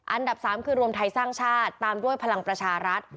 อันดับ๓คือรวมไทยสร้างชาติตามด้วยพลังประชารัฐ